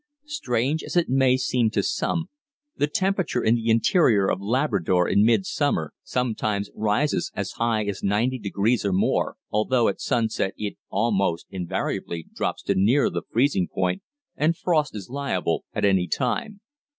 Strange as it may seem to some, the temperature in the interior of Labrador in midsummer sometimes rises as high as 90 degrees or more, although at sunset it almost invariably drops to near the freezing point and frost is liable at any time.